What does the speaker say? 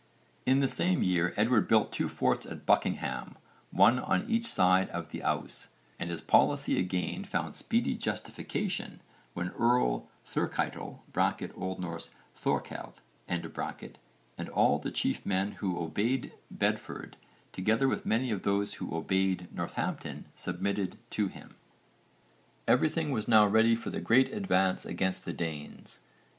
In the same year Edward built two forts at Buckingham, one on each side of the Ouse, and his policy again found speedy justification when Earl Thurcytel (O.N. Ðorkell) and all the chief men who 'obeyed' Bedford, together with many of those who 'obeyed' Northampton submitted to him. Everything was now ready for the great advance against the Danes.